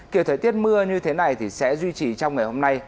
kiểu thời tiết mưa như thế này thì sẽ duy trì trong ngày hôm nay